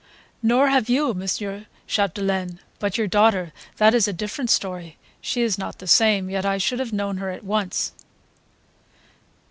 "Nor have you, Mr. Chapdelaine. But your daughter, that is a different story; she is not the same, yet I should have known her at once."